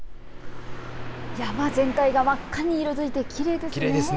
山全体が真っ赤に色づいてきれいですね。